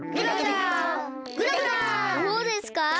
どうですか？